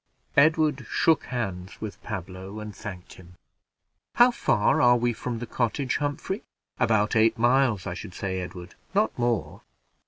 Edward shook hands with Pablo, and thanked him. "How far are we from the cottage, Humphrey?" "About eight miles, I should say, Edward; not more."